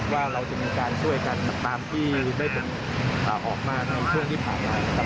ว่าเราจะมีการช่วยกันตามที่ได้ออกมาในช่วงที่ผ่านมานะครับ